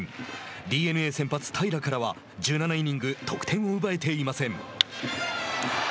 ＤｅＮＡ先発、平良からは１７イニング得点を奪えていません。